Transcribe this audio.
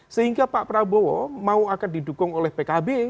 sehingga pak prabowo mau akan didukung oleh pkb